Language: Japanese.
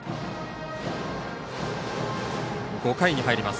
５回に入ります。